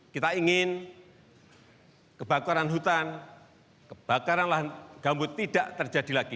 kita ingin kebakaran hutan kebakaran lahan gambut tidak terjadi lagi